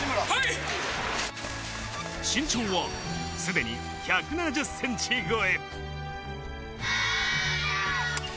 身長はすでに１７０ｃｍ超え。